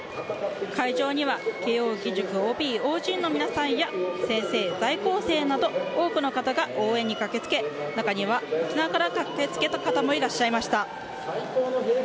会場には慶應義塾ＯＢ・ＯＧの皆さんや先生、在校生など多くの方が応援に駆け付け中には、沖縄から駆け付けた方もいらっしゃいました。